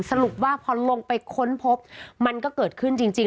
สรุปว่าพอลงไปค้นพบมันก็เกิดขึ้นจริง